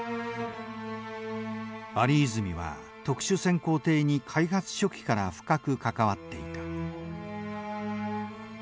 有泉は特殊潜航艇に開発初期から深くかかわっていた。